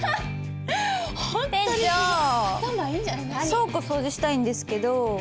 倉庫掃除したいんですけど。